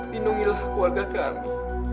bindungilah keluarga kami